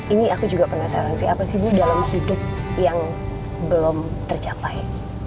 ini aku juga penasaran sih apa sih bu dalam hidup yang belum tercapai